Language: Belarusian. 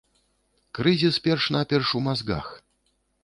Крызіс перш-наперш у мазгах.